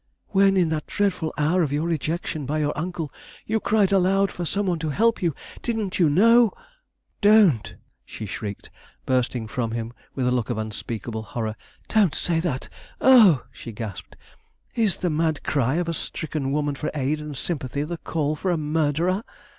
When in that dreadful hour of your rejection by your uncle, you cried aloud for some one to help you, didn't you know " "Don't!" she shrieked, bursting from him with a look of unspeakable horror. "Don't say that! Oh!" she gasped, "is the mad cry of a stricken woman for aid and sympathy the call for a murderer?"